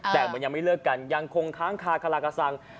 แต่มันยังไม่เลิกกันยังคงค้างคาคลากสัง